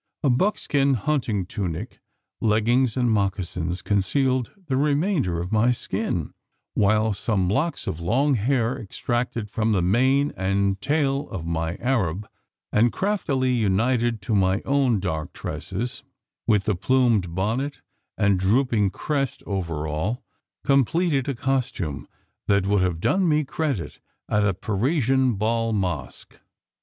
A buckskin hunting tunic, leggings and mocassins concealed the remainder of my skin; while some locks of long hair extracted from the mane and tail of my Arab, and craftily united to my own dark tresses, with the plumed bonnet and drooping crest overall, completed a costume that would have done me credit at a Parisian bal masque.